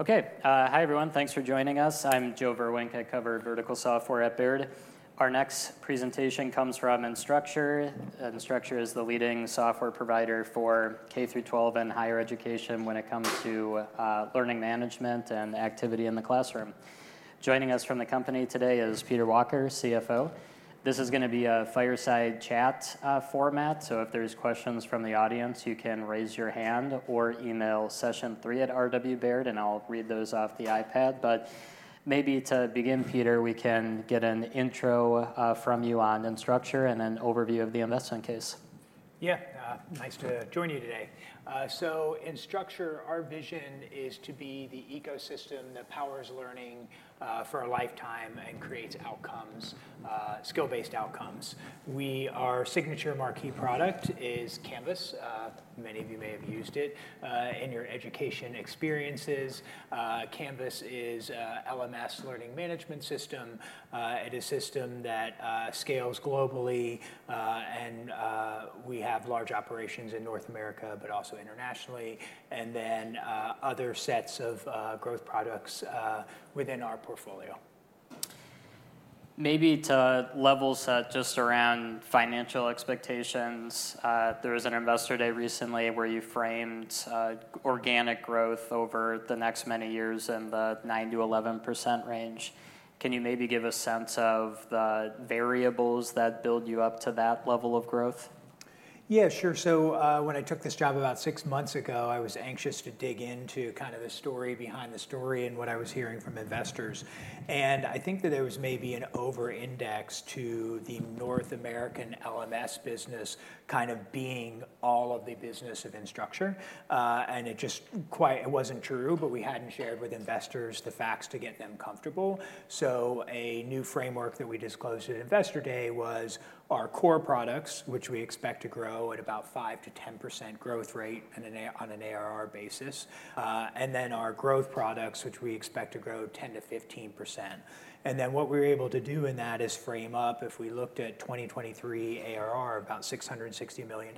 Okay. Hi, everyone. Thanks for joining us. I'm Joe Vruwink. I cover vertical software at Baird. Our next presentation comes from Instructure. Instructure is the leading software provider for K-12 and higher education when it comes to learning management and activity in the classroom. Joining us from the company today is Peter Walker, CFO. This is gonna be a fireside chat format, so if there's questions from the audience, you can raise your hand or email sessionthree@rwbaird, and I'll read those off the iPad. But maybe to begin, Peter, we can get an intro from you on Instructure and an overview of the investment case. Yeah. Nice to join you today. So in Instructure, our vision is to be the ecosystem that powers learning for a lifetime and creates outcomes, skill-based outcomes. Our signature marquee product is Canvas. Many of you may have used it in your education experiences. Canvas is a LMS learning management system, and a system that scales globally. And we have large operations in North America, but also internationally, and then other sets of growth products within our portfolio. Maybe to level set just around financial expectations, there was an Investor Day recently where you framed organic growth over the next many years in the 9%-11% range. Can you maybe give a sense of the variables that build you up to that level of growth? Yeah, sure. So, when I took this job about 6 months ago, I was anxious to dig into kind of the story behind the story and what I was hearing from investors, and I think that there was maybe an overindex to the North American LMS business kind of being all of the business of Instructure. And it just wasn't true, but we hadn't shared with investors the facts to get them comfortable. So a new framework that we disclosed at Investor Day was our core products, which we expect to grow at about 5%-10% growth rate on an ARR basis, and then our growth products, which we expect to grow 10%-15%. Then what we're able to do in that is frame up, if we looked at 2023 ARR, about $660 million,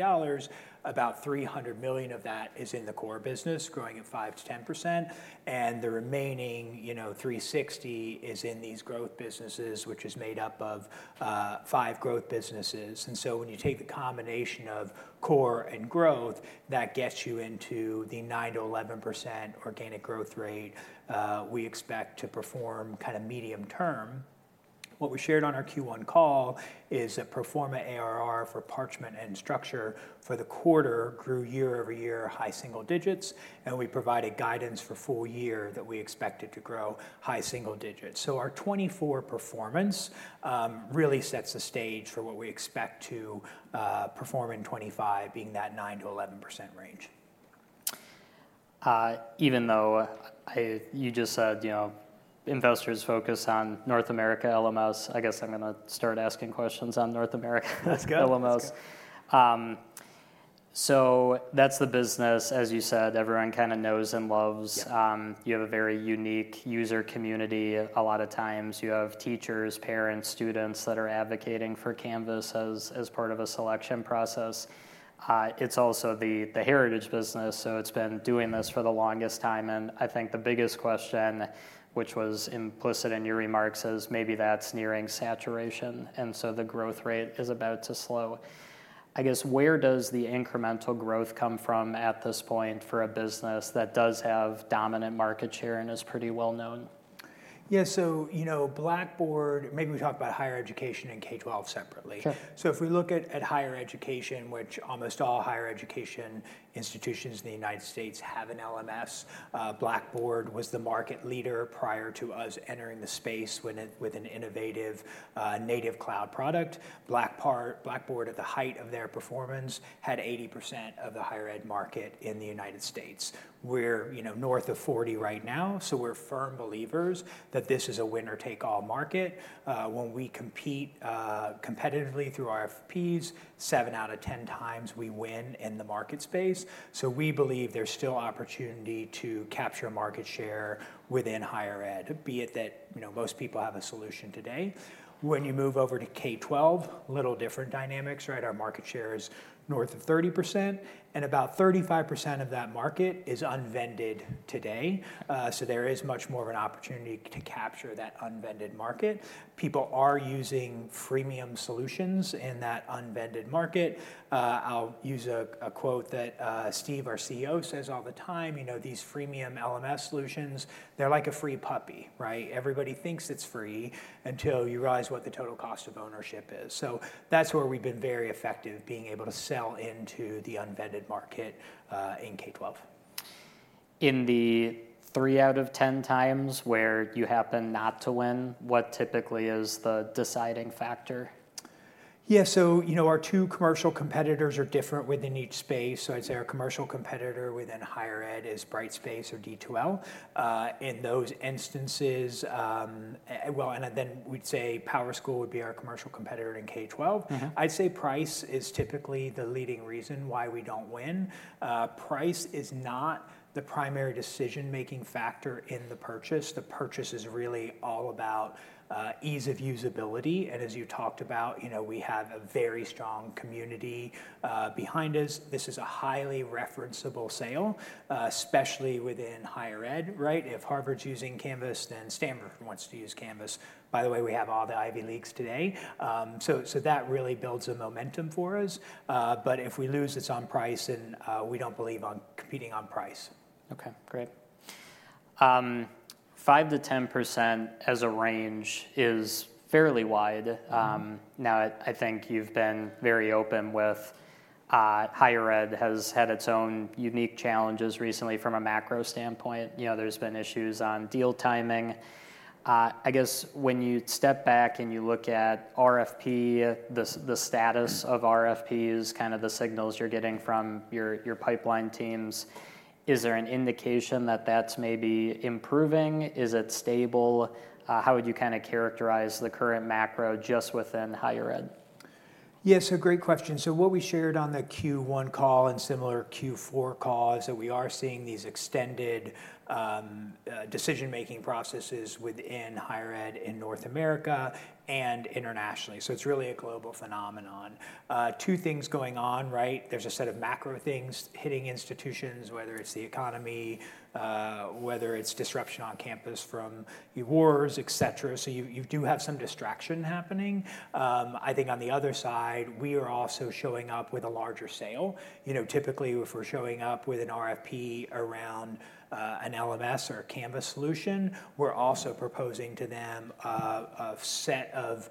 about $300 million of that is in the core business, growing at 5%-10%, and the remaining, you know, $360 million is in these growth businesses, which is made up of five growth businesses. And so when you take the combination of core and growth, that gets you into the 9%-11% organic growth rate we expect to perform kinda medium term. What we shared on our Q1 call is that pro forma ARR for Parchment and Instructure for the quarter grew year-over-year high single digits, and we provided guidance for full year that we expected to grow high single digits. So our 2024 performance really sets the stage for what we expect to perform in 2025, being that 9%-11% range. Even though I... You just said, you know, investors focus on North America LMS. I guess I'm gonna start asking questions on North America- That's good. LMS. So that's the business. As you said, everyone kinda knows and loves. Yeah. You have a very unique user community. A lot of times you have teachers, parents, students, that are advocating for Canvas as, as part of a selection process. It's also the heritage business, so it's been doing this for the longest time, and I think the biggest question, which was implicit in your remarks, is maybe that's nearing saturation, and so the growth rate is about to slow. I guess, where does the incremental growth come from at this point for a business that does have dominant market share and is pretty well known? Yeah, so, you know, Blackboard, maybe we talk about higher education and K-12 separately. Sure. So if we look at higher education, which almost all higher education institutions in the United States have an LMS, Blackboard was the market leader prior to us entering the space with an innovative native cloud product. Blackboard, at the height of their performance, had 80% of the higher ed market in the United States. We're, you know, north of 40 right now, so we're firm believers that this is a winner-take-all market. When we compete competitively through RFPs, 7 out of 10 times we win in the market space. So we believe there's still opportunity to capture market share within higher ed, be it that, you know, most people have a solution today. When you move over to K-12, little different dynamics, right? Our market share is north of 30%, and about 35% of that market is unvended today. So there is much more of an opportunity to capture that unvended market. People are using freemium solutions in that unvended market. I'll use a quote that Steve, our CEO, says all the time: "You know, these freemium LMS solutions, they're like a free puppy," right? Everybody thinks it's free until you realize what the total cost of ownership is. So that's where we've been very effective, being able to sell into the unvended market in K-12. In the 3 out of 10 times where you happen not to win, what typically is the deciding factor? Yeah, so, you know, our two commercial competitors are different within each space. So I'd say our commercial competitor within higher ed is Brightspace or D2L. In those instances, and then we'd say PowerSchool would be our commercial competitor in K-12. I'd say price is typically the leading reason why we don't win. Price is not the primary decision-making factor in the purchase. The purchase is really all about, ease of usability, and as you talked about, you know, we have a very strong community, behind us. This is a highly referenceable sale, especially within higher ed, right? If Harvard's using Canvas, then Stanford wants to use Canvas. By the way, we have all the Ivy Leagues today. So, so that really builds a momentum for us. But if we lose, it's on price, and, we don't believe on competing on price. Okay, great. 5%-10% as a range is fairly wide. Now, I think you've been very open with higher ed has had its own unique challenges recently from a macro standpoint. You know, there's been issues on deal timing. I guess when you step back and you look at RFP, the status of RFPs, kind of the signals you're getting from your pipeline teams, is there an indication that that's maybe improving? Is it stable? How would you kinda characterize the current macro just within higher ed? Yeah, so great question. So what we shared on the Q1 call and similar Q4 call is that we are seeing these extended decision-making processes within higher ed in North America and internationally. So it's really a global phenomenon. Two things going on, right? There's a set of macro things hitting institutions, whether it's the economy, whether it's disruption on campus from the wars, et cetera. So you do have some distraction happening. I think on the other side, we are also showing up with a larger sale. You know, typically, if we're showing up with an RFP around an LMS or a Canvas solution, we're also proposing to them a set of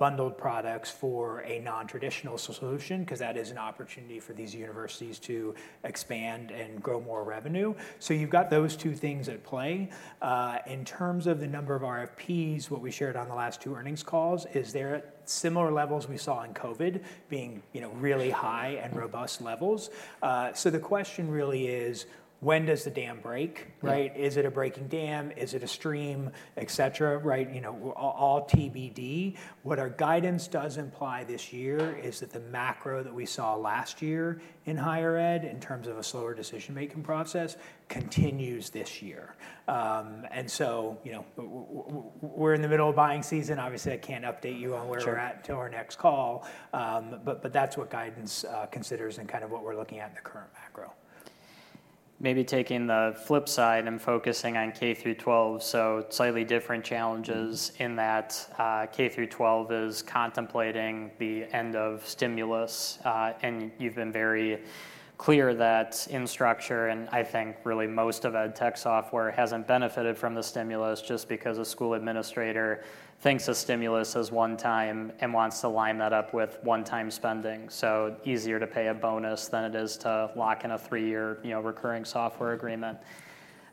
bundled products for a non-traditional solution, 'cause that is an opportunity for these universities to expand and grow more revenue. So you've got those two things at play. In terms of the number of RFPs, what we shared on the last two earnings calls is they're at similar levels we saw in COVID being, you know, really high and robust levels. So the question really is: when does the dam break, right? Yeah. Is it a breaking dam? Is it a stream, et cetera, right? You know, all TBD. What our guidance does imply this year is that the macro that we saw last year in higher ed, in terms of a slower decision-making process, continues this year. And so, you know, we're in the middle of buying season. Obviously, I can't update you on where- Sure... we're at till our next call. But, but that's what guidance considers and kind of what we're looking at in the current macro. Maybe taking the flip side and focusing on K through 12, so slightly different challenges in that, K through 12 is contemplating the end of stimulus. And you've been very clear that Instructure, and I think really most of edtech software, hasn't benefited from the stimulus just because a school administrator thinks of stimulus as one time and wants to line that up with one-time spending. So easier to pay a bonus than it is to lock in a three-year, you know, recurring software agreement.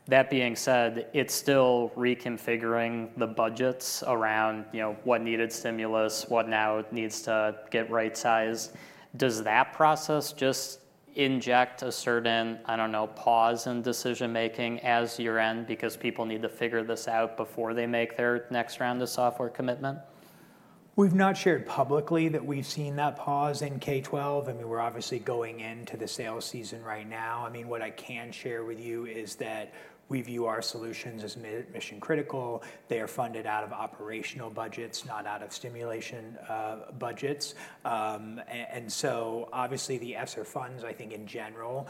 That being said, it's still reconfiguring the budgets around, you know, what needed stimulus, what now needs to get right-sized. Does that process just inject a certain, I don't know, pause in decision-making at your end because people need to figure this out before they make their next round of software commitment? We've not shared publicly that we've seen that pause in K-12. I mean, we're obviously going into the sales season right now. I mean, what I can share with you is that we view our solutions as mission critical. They are funded out of operational budgets, not out of stimulus budgets. And so obviously, the ESSER funds, I think in general,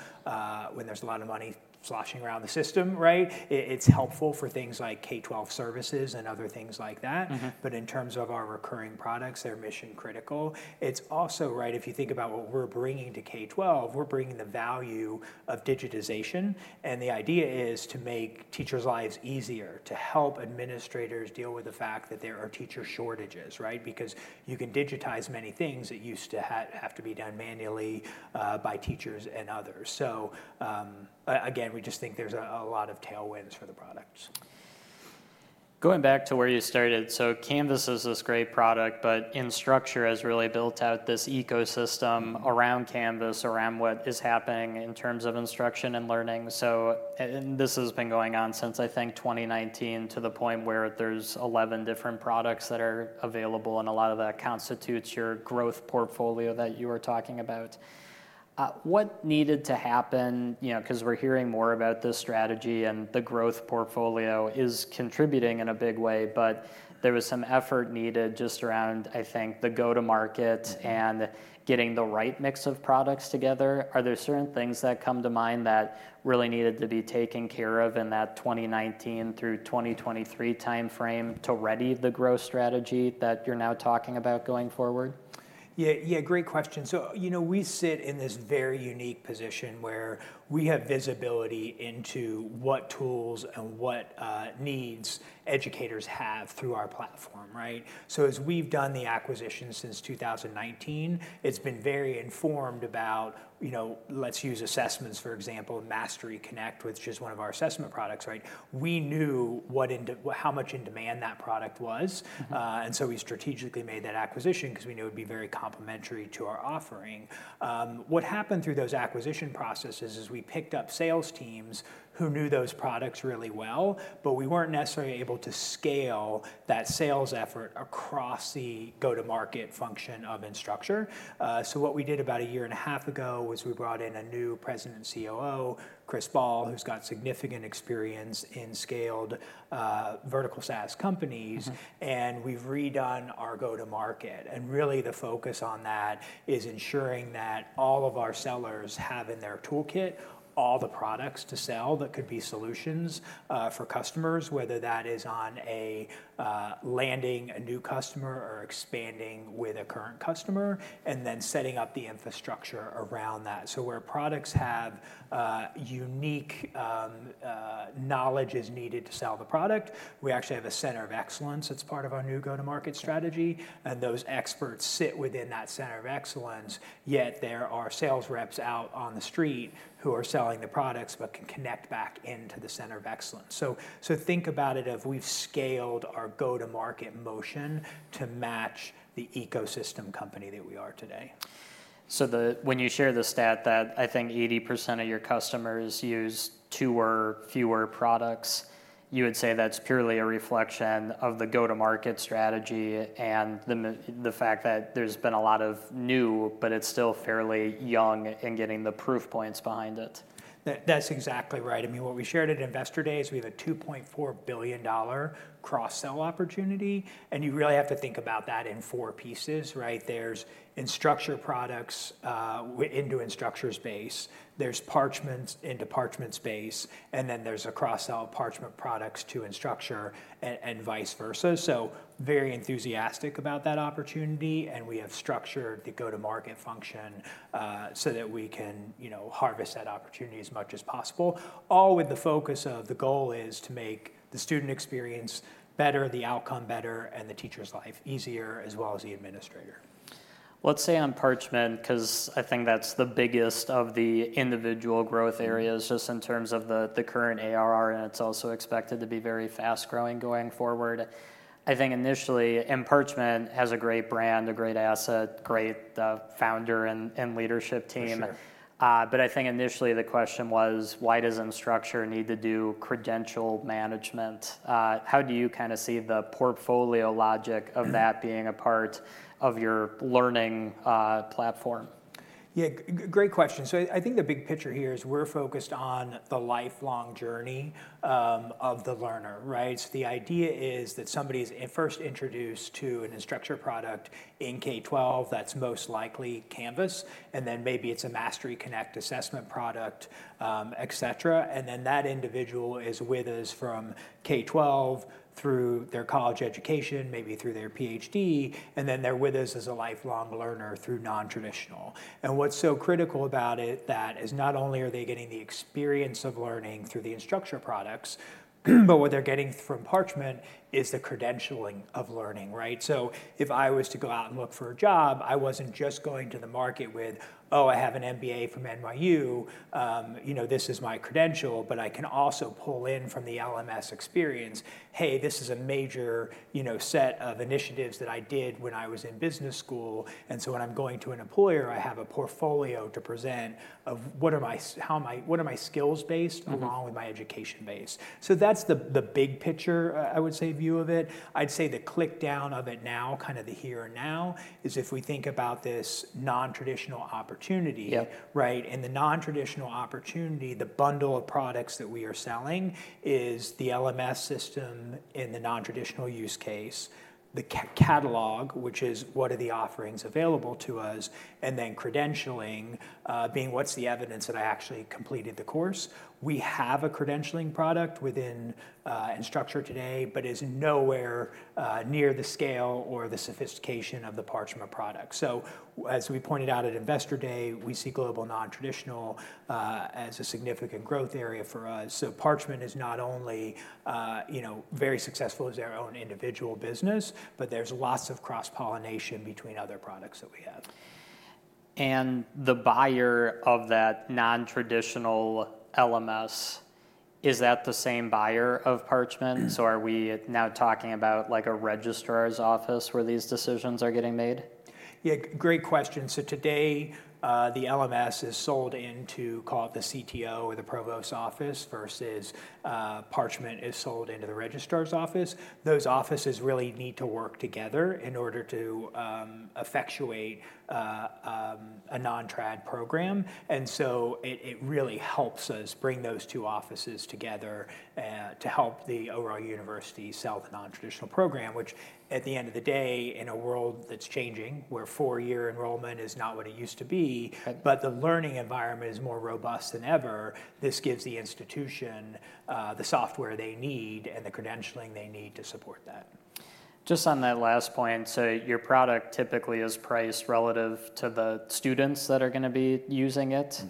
when there's a lot of money sloshing around the system, right, it's helpful for things like K-12 services and other things like that. But in terms of our recurring products, they're mission critical. It's also, right, if you think about what we're bringing to K-12, we're bringing the value of digitization, and the idea is to make teachers' lives easier, to help administrators deal with the fact that there are teacher shortages, right? Because you can digitize many things that used to have to be done manually, by teachers and others. So, again, we just think there's a lot of tailwinds for the products. Going back to where you started, so Canvas is this great product, but Instructure has really built out this ecosystem-... around Canvas, around what is happening in terms of instruction and learning. So, and this has been going on since, I think, 2019, to the point where there's 11 different products that are available, and a lot of that constitutes your growth portfolio that you were talking about. What needed to happen, you know, 'cause we're hearing more about this strategy, and the growth portfolio is contributing in a big way, but there was some effort needed just around, I think, the go-to-market-... and getting the right mix of products together. Are there certain things that come to mind that really needed to be taken care of in that 2019 through 2023 timeframe to ready the growth strategy that you're now talking about going forward? Yeah, yeah, great question. So, you know, we sit in this very unique position where we have visibility into what tools and what needs educators have through our platform, right? So as we've done the acquisition since 2019, it's been very informed about, you know, let's use assessments, for example, MasteryConnect, which is one of our assessment products, right? We knew what how much in demand that product was. And so we strategically made that acquisition 'cause we knew it'd be very complementary to our offering. What happened through those acquisition processes is we picked up sales teams who knew those products really well, but we weren't necessarily able to scale that sales effort across the go-to-market function of Instructure. So what we did about a year and a half ago was we brought in a new President and COO, Chris Ball, who's got significant experience in scaled vertical SaaS companies. We've redone our go-to-market, and really the focus on that is ensuring that all of our sellers have in their toolkit all the products to sell that could be solutions for customers, whether that is on a landing a new customer or expanding with a current customer, and then setting up the infrastructure around that. So where products have unique knowledge is needed to sell the product, we actually have a center of excellence that's part of our new go-to-market strategy, and those experts sit within that center of excellence, yet there are sales reps out on the street who are selling the products but can connect back into the center of excellence. So, so think about it as we've scaled our go-to-market motion to match the ecosystem company that we are today.... So when you share the stat that I think 80% of your customers use two or fewer products, you would say that's purely a reflection of the go-to-market strategy and the fact that there's been a lot of new, but it's still fairly young in getting the proof points behind it? That's exactly right. I mean, what we shared at Investor Day is we have a $2.4 billion cross-sell opportunity, and you really have to think about that in four pieces, right? There's Instructure products into Instructure's base, there's Parchment into Parchment's base, and then there's a cross-sell Parchment products to Instructure, and vice versa. So very enthusiastic about that opportunity, and we have structured the go-to-market function so that we can, you know, harvest that opportunity as much as possible, all with the focus of the goal is to make the student experience better, the outcome better, and the teacher's life easier, as well as the administrator. Let's say on Parchment, 'cause I think that's the biggest of the individual growth areas-... just in terms of the current ARR, and it's also expected to be very fast-growing going forward. I think initially, and Parchment has a great brand, a great asset, great founder and leadership team. For sure. but I think initially the question was: Why does Instructure need to do credential management? How do you kind of see the portfolio logic-... of that being a part of your learning platform? Yeah, great question. So I think the big picture here is we're focused on the lifelong journey of the learner, right? So the idea is that somebody's first introduced to an Instructure product in K-12, that's most likely Canvas, and then maybe it's a MasteryConnect assessment product, et cetera. And then that individual is with us from K-12 through their college education, maybe through their PhD, and then they're with us as a lifelong learner through non-traditional. And what's so critical about it, that is not only are they getting the experience of learning through the Instructure products, but what they're getting from Parchment is the credentialing of learning, right? So if I was to go out and look for a job, I wasn't just going to the market with, "Oh, I have an MBA from NYU, you know, this is my credential," but I can also pull in from the LMS experience, "Hey, this is a major, you know, set of initiatives that I did when I was in business school." And so when I'm going to an employer, I have a portfolio to present of what are my skills base-... along with my education base. So that's the big picture, I would say, view of it. I'd say the click down of it now, kind of the here and now, is if we think about this non-traditional opportunity- Yeah... right? And the non-traditional opportunity, the bundle of products that we are selling is the LMS system in the non-traditional use case, the catalog, which is what are the offerings available to us, and then credentialing, being what's the evidence that I actually completed the course. We have a credentialing product within Instructure today, but is nowhere near the scale or the sophistication of the Parchment product. So as we pointed out at Investor Day, we see global non-traditional as a significant growth area for us. So Parchment is not only, you know, very successful as their own individual business, but there's lots of cross-pollination between other products that we have. The buyer of that non-traditional LMS, is that the same buyer of Parchment? Are we now talking about, like, a registrar's office where these decisions are getting made? Yeah, great question. So today, the LMS is sold into, call it the CTO or the Provost office versus, Parchment is sold into the Registrar's office. Those offices really need to work together in order to effectuate a non-trad program, and so it, it really helps us bring those two offices together, to help the overall university sell the non-traditional program, which, at the end of the day, in a world that's changing, where four-year enrollment is not what it used to be- Right... but the learning environment is more robust than ever, this gives the institution the software they need and the credentialing they need to support that. Just on that last point, so your product typically is priced relative to the students that are gonna be using it?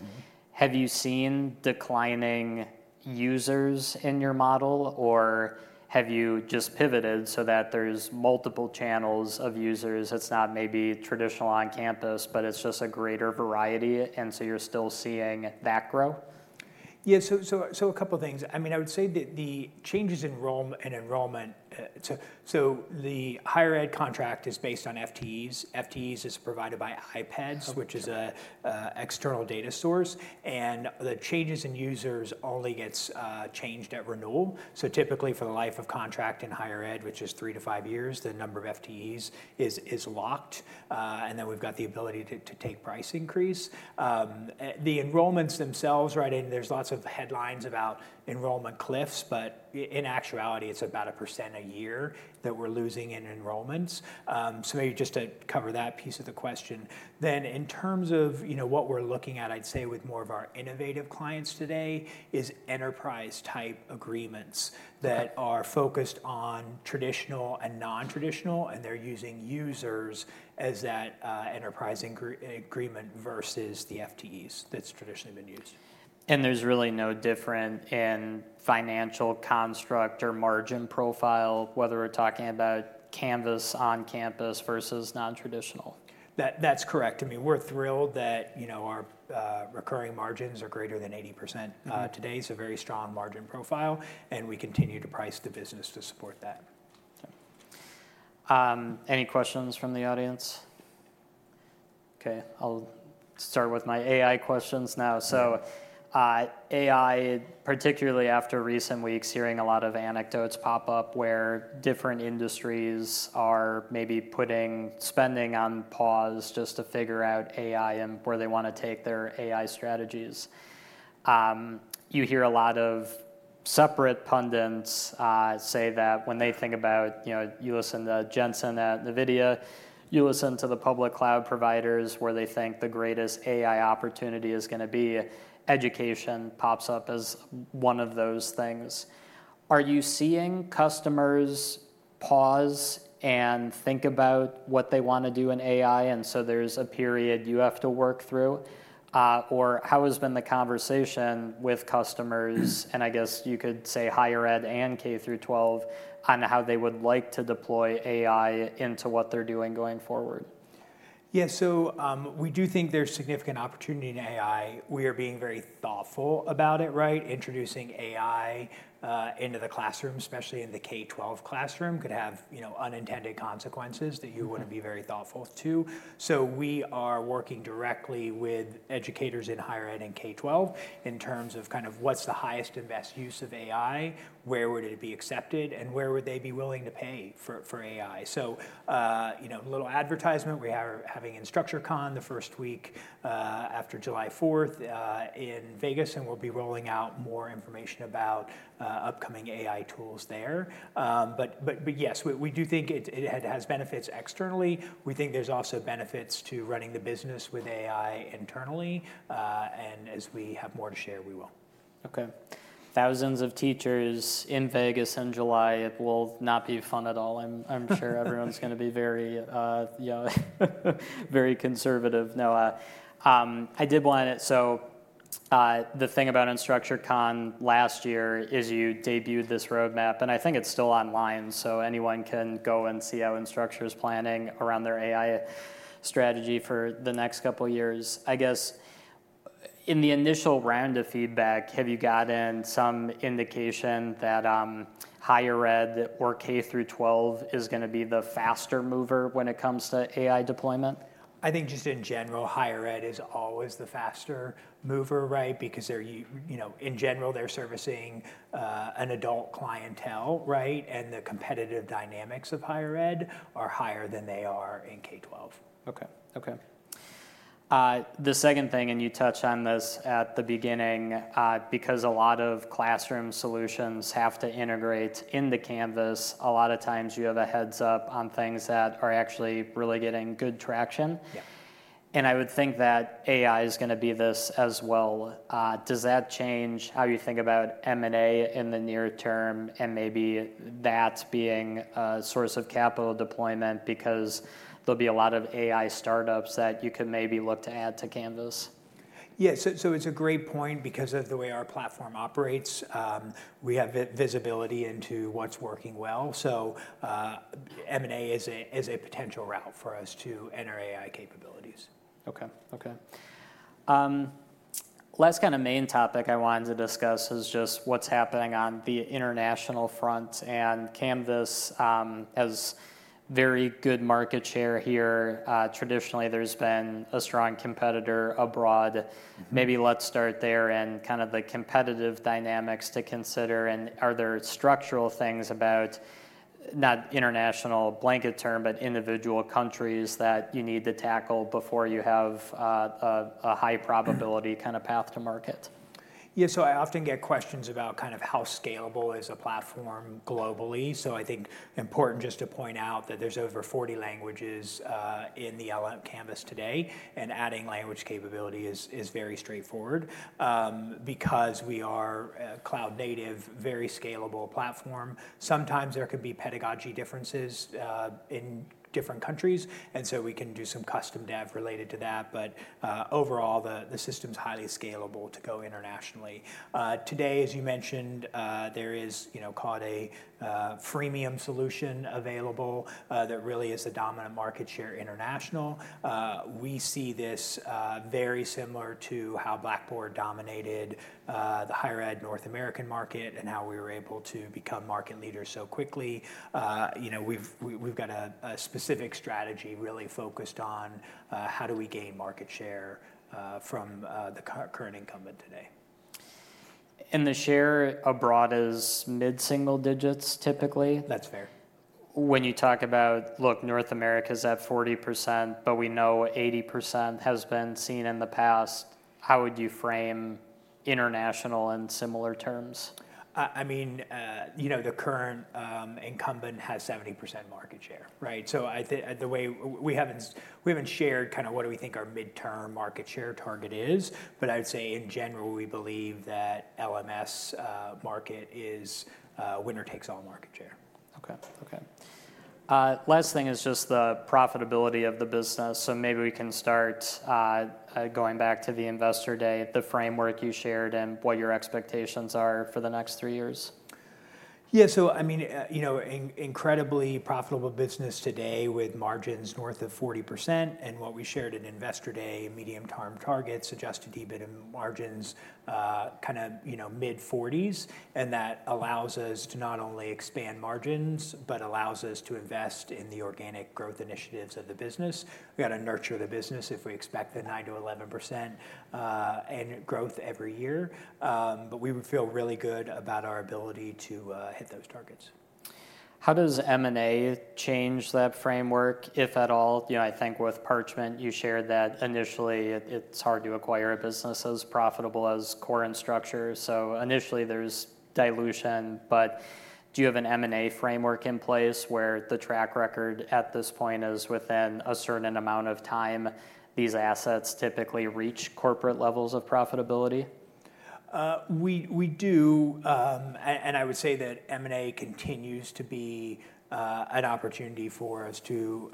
Have you seen declining users in your model, or have you just pivoted so that there's multiple channels of users that's not maybe traditional on campus, but it's just a greater variety, and so you're still seeing that grow? Yeah, so, a couple things. I mean, I would say that the changes in enrollment, so the higher ed contract is based on FTEs. FTEs is provided by IPEDS- Okay... which is an external data source, and the changes in users only get changed at renewal. So typically, for the life of contract in higher ed, which is 3-5 years, the number of FTEs is locked, and then we've got the ability to take price increase. The enrollments themselves, right, and there's lots of headlines about enrollment cliffs, but in actuality, it's about 1% a year that we're losing in enrollments. So maybe just to cover that piece of the question. Then, in terms of, you know, what we're looking at, I'd say with more of our innovative clients today, is enterprise-type agreements- Right... that are focused on traditional and non-traditional, and they're using users as that, enterprise agreement versus the FTEs that's traditionally been used. There's really no different in financial construct or margin profile, whether we're talking about Canvas on campus versus non-traditional? That, that's correct. I mean, we're thrilled that, you know, our recurring margins are greater than 80%. Today, it's a very strong margin profile, and we continue to price the business to support that.... Any questions from the audience? Okay, I'll start with my AI questions now. So, AI, particularly after recent weeks, hearing a lot of anecdotes pop up where different industries are maybe putting spending on pause just to figure out AI and where they wanna take their AI strategies. You hear a lot of separate pundits say that when they think about, you know, you listen to Jensen at NVIDIA, you listen to the public cloud providers, where they think the greatest AI opportunity is gonna be, education pops up as one of those things. Are you seeing customers pause and think about what they wanna do in AI, and so there's a period you have to work through? Or, how has been the conversation with customers, and I guess you could say higher ed and K through 12, on how they would like to deploy AI into what they're doing going forward? Yeah, so, we do think there's significant opportunity in AI. We are being very thoughtful about it, right? Introducing AI into the classroom, especially in the K-12 classroom, could have, you know, unintended consequences that you wanna be very thoughtful to. So we are working directly with educators in higher ed and K-12 in terms of kind of what's the highest and best use of AI, where would it be accepted, and where would they be willing to pay for AI? So, you know, a little advertisement, we are having InstructureCon the first week after July fourth in Vegas, and we'll be rolling out more information about upcoming AI tools there. But yes, we do think it has benefits externally. We think there's also benefits to running the business with AI internally. As we have more to share, we will. Okay. Thousands of teachers in Vegas in July, it will not be fun at all. I'm sure everyone's gonna be very, very conservative. No, I did wanna... So, the thing about InstructureCon last year is you debuted this roadmap, and I think it's still online, so anyone can go and see how Instructure is planning around their AI strategy for the next couple of years. I guess, in the initial round of feedback, have you gotten some indication that, higher ed or K-12 is gonna be the faster mover when it comes to AI deployment? I think just in general, higher ed is always the faster mover, right? Because they're, you, you know, in general, they're servicing an adult clientele, right? And the competitive dynamics of higher ed are higher than they are in K-12. Okay. Okay. The second thing, and you touched on this at the beginning, because a lot of classroom solutions have to integrate into Canvas, a lot of times you have a heads-up on things that are actually really getting good traction. Yeah. I would think that AI is gonna be this as well. Does that change how you think about M&A in the near term, and maybe that being a source of capital deployment because there'll be a lot of AI startups that you could maybe look to add to Canvas? Yeah, so it's a great point because of the way our platform operates. We have visibility into what's working well, so M&A is a potential route for us to enter AI capabilities. Okay. Okay. Last kinda main topic I wanted to discuss is just what's happening on the international front and Canvas has very good market share here. Traditionally, there's been a strong competitor abroad. Maybe let's start there, and kind of the competitive dynamics to consider, and are there structural things about, not international blanket term, but individual countries that you need to tackle before you have a high probability kinda path to market? Yeah, so I often get questions about kind of how scalable is the platform globally. So I think important just to point out that there's over 40 languages in the LMS Canvas today, and adding language capability is very straightforward because we are a cloud native, very scalable platform. Sometimes there could be pedagogy differences in different countries, and so we can do some custom dev related to that. But overall, the system's highly scalable to go internationally. Today, as you mentioned, there is, you know, call it a freemium solution available that really is the dominant market share international. We see this very similar to how Blackboard dominated the higher ed North American market and how we were able to become market leaders so quickly. You know, we've got a specific strategy really focused on how do we gain market share from the current incumbent today. The share abroad is mid-single digits, typically? That's fair. When you talk about, look, North America's at 40%, but we know 80% has been seen in the past, how would you frame international in similar terms? I mean, you know, the current incumbent has 70% market share, right? So I think, the way... We haven't, we haven't shared kinda what do we think our midterm market share target is, but I'd say in general, we believe that LMS market is winner takes all market share. Okay. Okay. Last thing is just the profitability of the business. So maybe we can start going back to the investor day, the framework you shared and what your expectations are for the next three years.... Yeah, so I mean, you know, incredibly profitable business today with margins north of 40%, and what we shared in Investor Day, medium-term targets, adjusted EBIT margins, kind of, you know, mid-40s. And that allows us to not only expand margins, but allows us to invest in the organic growth initiatives of the business. We've got to nurture the business if we expect the 9%-11% annual growth every year. But we would feel really good about our ability to hit those targets. How does M&A change that framework, if at all? You know, I think with Parchment, you shared that initially it, it's hard to acquire a business as profitable as Instructure. So initially there's dilution, but do you have an M&A framework in place where the track record at this point is, within a certain amount of time, these assets typically reach corporate levels of profitability? We do. And I would say that M&A continues to be an opportunity for us to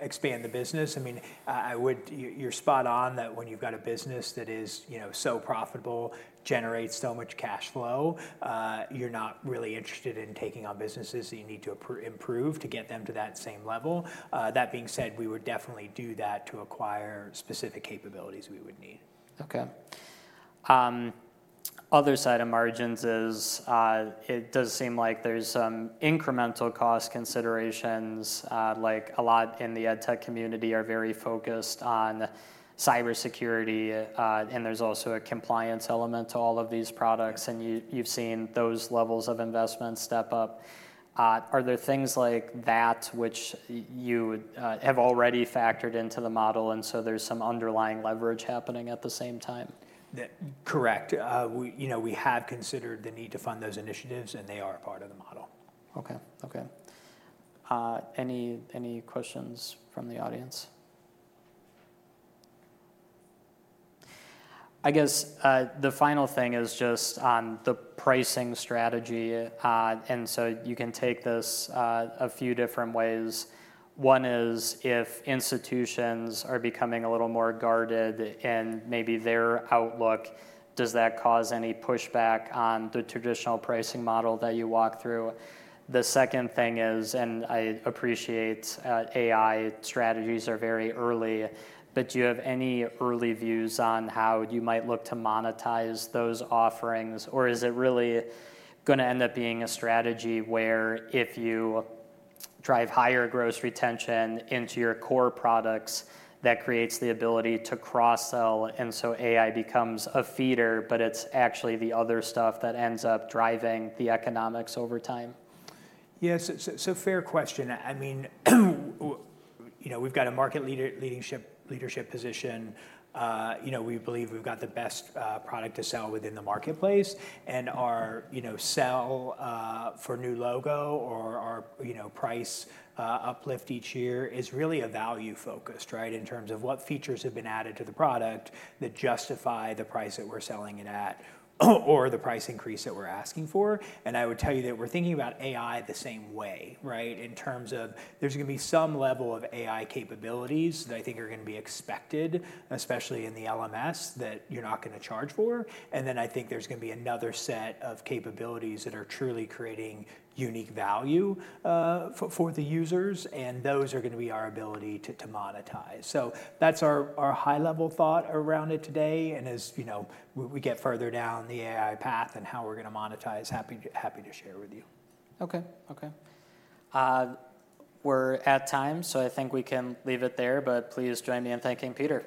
expand the business. I mean, I would—you're spot on that when you've got a business that is, you know, so profitable, generates so much cash flow, you're not really interested in taking on businesses that you need to improve to get them to that same level. That being said, we would definitely do that to acquire specific capabilities we would need. Okay. Other side of margins is, it does seem like there's some incremental cost considerations. Like a lot in the edtech community are very focused on cybersecurity, and there's also a compliance element to all of these products, and you, you've seen those levels of investment step up. Are there things like that which you have already factored into the model, and so there's some underlying leverage happening at the same time? Correct. We, you know, we have considered the need to fund those initiatives, and they are a part of the model. Okay. Okay. Any, any questions from the audience? I guess, the final thing is just on the pricing strategy, and so you can take this, a few different ways. One is, if institutions are becoming a little more guarded in maybe their outlook, does that cause any pushback on the traditional pricing model that you walk through? The second thing is, and I appreciate, AI strategies are very early, but do you have any early views on how you might look to monetize those offerings? Or is it really gonna end up being a strategy where if you drive higher gross retention into your core products, that creates the ability to cross-sell, and so AI becomes a feeder, but it's actually the other stuff that ends up driving the economics over time? Yes, so fair question. I mean, you know, we've got a market leadership position. You know, we believe we've got the best product to sell within the marketplace, and our, you know, sell for new logo or our price uplift each year is really a value focused, right? In terms of what features have been added to the product that justify the price that we're selling it at, or the price increase that we're asking for. And I would tell you that we're thinking about AI the same way, right? In terms of there's gonna be some level of AI capabilities that I think are gonna be expected, especially in the LMS, that you're not gonna charge for. And then I think there's gonna be another set of capabilities that are truly creating unique value for the users, and those are gonna be our ability to monetize. So that's our high-level thought around it today, and as you know, we get further down the AI path and how we're gonna monetize, happy to share with you. Okay. Okay. We're at time, so I think we can leave it there, but please join me in thanking Peter.